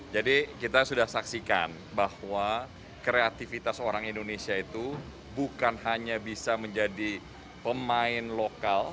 jadi kita sudah saksikan bahwa kreativitas orang indonesia itu bukan hanya bisa menjadi pemain lokal